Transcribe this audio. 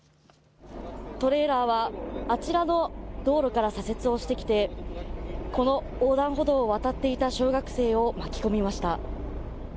トレーラーはあちらの道路から左折をしてきてこの横断歩道を渡っていた小学生を巻き込みました。